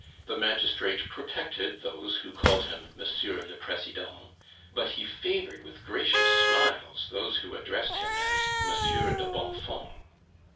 The magistrate protected those who called him Monsieur le president, but he favored with gracious smiles those who addressed him as Monsieur de Bonfons.